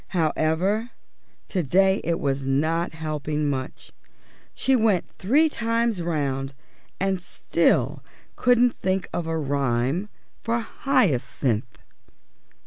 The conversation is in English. However, to day it was not helping much; she went three times round and still couldn't think of a rhyme for Hyacinth.